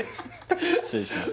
失礼します